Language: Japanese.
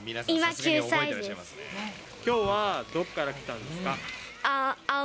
きょうはどこから来たんですか？